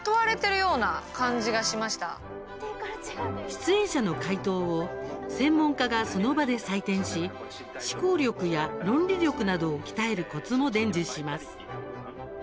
出演者の解答を専門家がその場で採点し思考力や論理力などを鍛えるコツも伝授します。